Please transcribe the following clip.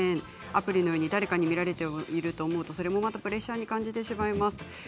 アプリのように誰かに見られていると思うと、またそれもプレッシャーに感じてしまいます。